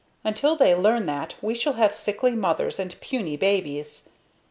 Until they learn that, we shall have sickly mothers and puny babies.